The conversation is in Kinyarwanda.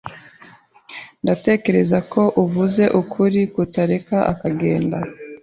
Ndatekereza ko uvuze ukuri kutareka akagenda.